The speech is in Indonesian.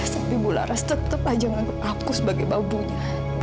tapi bu laras tetap saja menganggap aku sebagai babunya